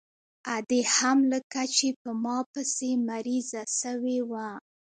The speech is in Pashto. ادې هم لکه چې په ما پسې مريضه سوې وه.